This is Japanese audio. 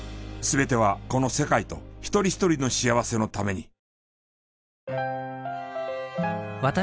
全てはこの世界と一人一人の幸せのために。